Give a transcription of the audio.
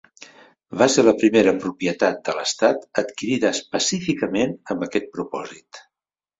Va ser la primera propietat de l'estat adquirida específicament amb aquest propòsit.